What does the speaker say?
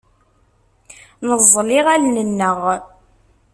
Neẓẓel iɣallen-nneɣ.